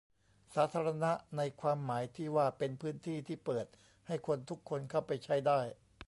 สาธารณะในความหมายที่ว่าเป็นพื้นที่ที่เปิดให้คนทุกคนเข้าไปใช้ได้